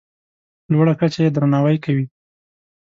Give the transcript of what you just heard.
په لوړه کچه یې درناوی کوي.